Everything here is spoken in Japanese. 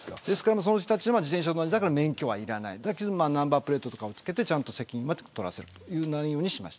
自転車寄りだから免許はいらないだけどナンバープレートを付けてちゃんと責任を取らせるという内容にしました。